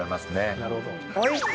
なるほど。